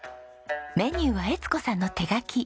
メニューは江津子さんの手書き。